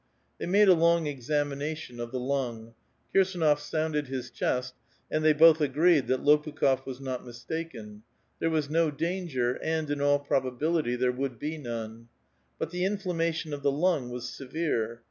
They made a long examination of the lung ;. Kirsdnof sounded his chest, and they both agreed that Lopukh6f was not mistaken ; there was no danger, and, in all probabilitj*, there would be none. But the inflammation of the lung was severe.